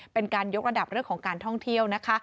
เป็นการยกระดับเรื่องของการท่องเที่ยวนะคะ